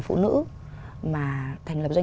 phụ nữ mà thành lập doanh